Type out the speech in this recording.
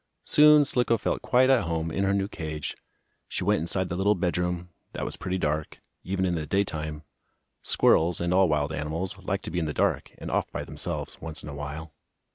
Soon Slicko felt quite at home in her new cage. She went inside the little bedroom, that was pretty dark, even in the daytime. Squirrels, and all wild animals, like to be in the dark, and off by themselves, once in a while.